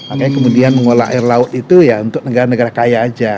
makanya kemudian mengolah air laut itu ya untuk negara negara kaya aja